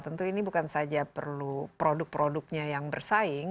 tentu ini bukan saja perlu produk produknya yang bersaing